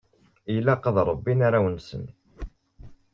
Ilaq ad rebbin arraw-nsen.